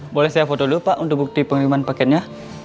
boleh saya foto dulu pak untuk bukti pengumuman paketnya